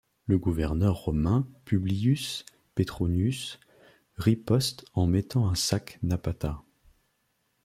Le gouverneur romain Publius Petronius riposte en mettant à sac Napata.